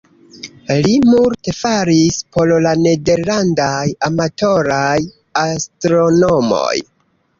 Li multe faris por la nederlandaj amatoraj astronomoj.